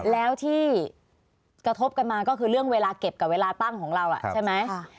แล้วที่กระทบกันมาก็คือเรื่องเวลาเก็บกับเวลาตั้งของเราใช่ไหม